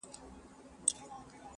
• پردی ملا راغلی دی پردي یې دي نیتونه -